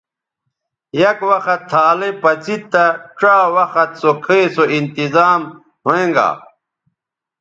یک وخت تھالئ پڅید تہ ڇا وخت سو کھئ سو انتظام ھویں گا